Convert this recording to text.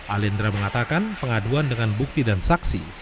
alendra mengatakan pengaduan dengan bukti dan saksi